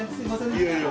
いやいや。